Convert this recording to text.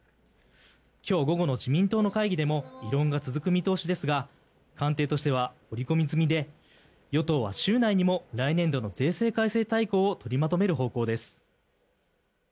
今日午後の自民党の会議でも異論が続く見通しですが官邸としては織り込み済みで与党は週内にも来年度の税制改正大綱を取りまとめる方向です。